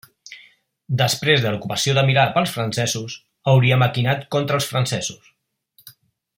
Després de l'ocupació de Milà pels Francesos, hauria maquinat contra els francesos.